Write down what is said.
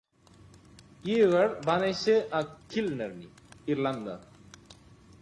Eagar va néixer a Killarney, Irlanda.